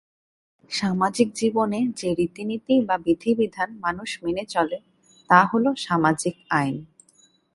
সামাজিক জীবনে যে রীতিনীতি বা বিধিবিধান মানুষ মেনে চলে তা হলো সামাজিক আইন।